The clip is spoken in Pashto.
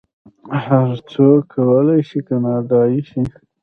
هر څوک کولی شي کاناډایی شي.